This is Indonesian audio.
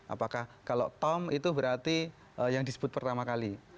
apakah kalau tom itu berarti yang disebut pertama kali